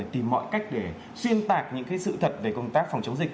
tìm mọi cách để xuyên tạc những sự thật về công tác phòng chống dịch